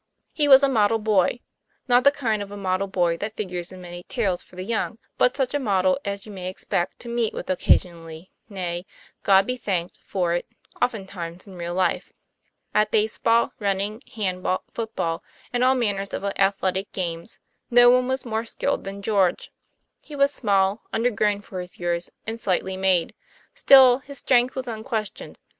He was a model boy ; not the kind of a model boy that figures in many tales for the young; but such a model as you may expect to meet with occasionally, nay God be thanked for it oftentimes in real life. At baseball, running, handball, football, and all manner of athletic games, no one was more skilled than George. He was small, undergrown for his years, and slightly made; still his strength was un questioned.